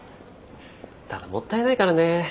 ただもったいないからね。